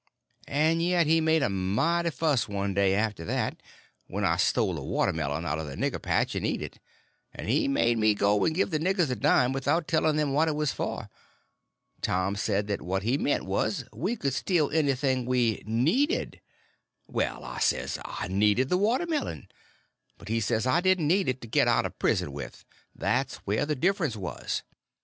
And yet he made a mighty fuss, one day, after that, when I stole a watermelon out of the nigger patch and eat it; and he made me go and give the niggers a dime without telling them what it was for. Tom said that what he meant was, we could steal anything we needed. Well, I says, I needed the watermelon. But he said I didn't need it to get out of prison with; there's where the difference was.